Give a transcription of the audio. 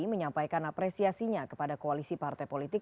menyampaikan apresiasinya kepada koalisi partai politik